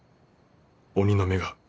鬼の眼が